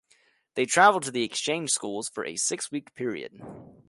They travel to the exchange schools for a six-week period.